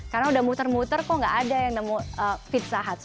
karena sudah muter muter kok tidak ada yang menemukan pizza hut